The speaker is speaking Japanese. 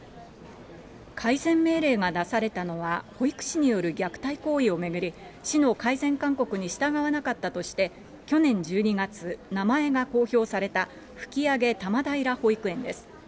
改善命令が出されたのは、保育士による虐待行為を巡り、市の改善勧告に従わなかったとして、去年１２月、名前が公表された、吹上多摩平保育園です。